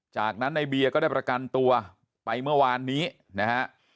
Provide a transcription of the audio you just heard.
จากนั้นในเบียร์ก็ได้ประกันตัวไปเมื่อวานนี้นะฮะ